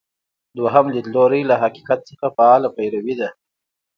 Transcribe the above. دویم لیدلوری له حقیقت څخه فعاله پیروي ده.